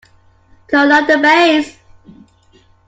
Turn up the bass.